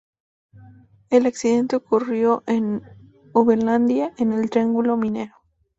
El accidente ocurrió en Uberlândia, en el Triángulo Minero.